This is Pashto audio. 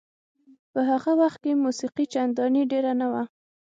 په هغه وخت کې موسیقي چندانې ډېره نه وه.